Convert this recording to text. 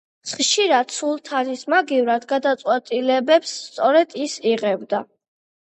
ხშირად სულთნის მაგივრად გადაწყვეტილებებს სწორედ ის იღებდა.